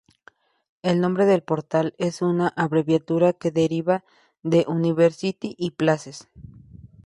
El nombre del portal es una abreviatura que deriva de "university" y "places".